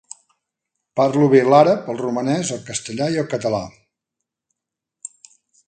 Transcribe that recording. Parlo bé l'àrab, el romanès, el castellà i el català.